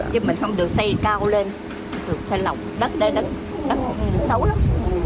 chứ mình không được xây cao lên xây lỏng đất đáy đất đất xấu lắm